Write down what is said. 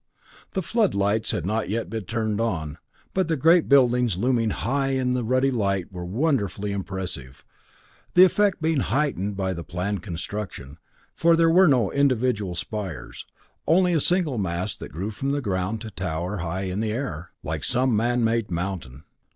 The floodlights had not yet been turned on, but the great buildings looming high in the ruddy light were wonderfully impressive, the effect being heightened by the planned construction, for there were no individual spires, only a single mass that grew from the ground to tower high in the air, like some man made mountain.